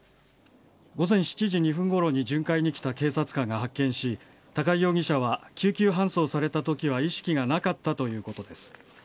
午前７時２分ごろに巡回に来た警察官が発見し高井容疑者は緊急搬送されたときは意識はなかったということです。